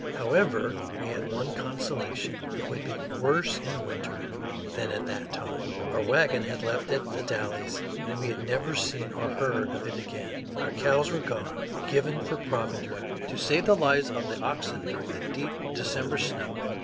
However, we had one consolation, it would be worse in winter than at that time. Our wagon had been left at The Dalles and we had never seen or heard of it again. Our cows were gone given for provender to save the lives of the oxen during the deep December snow.